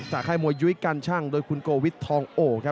ค่ายมวยยุ้ยกันชั่งโดยคุณโกวิททองโอครับ